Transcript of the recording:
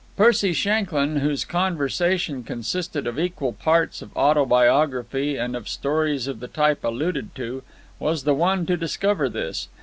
Percy Shanklyn, whose conversation consisted of equal parts of autobiography and of stories of the type alluded to, was the one to discover this.